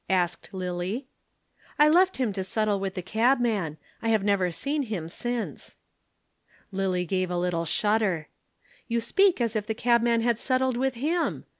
asked Lillie. "I left him to settle with the cabman. I have never seen him since." Lillie gave a little shudder. "You speak as if the cabman had settled with him.